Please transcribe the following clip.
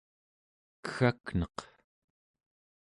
keggakneq